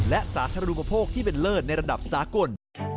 และสาธารณูปโภคที่เป็นเลิศในระดับสากล